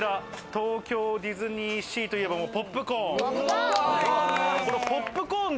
東京ディズニーシーといえばポップコーン。